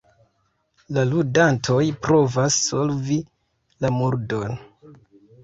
La ludantoj provas solvi la murdon.